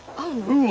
うん。